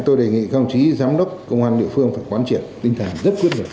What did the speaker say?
tôi đề nghị các ông chí giám đốc công an địa phương phải quan triển tinh thản rất quyết định